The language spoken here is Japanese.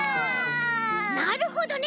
なるほどね。